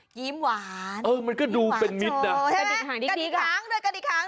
ยิ้มหวานยิ้มฟาโชว์ใช่ไหมกะดิ้ค้างด้วยกะดิ้ค้าง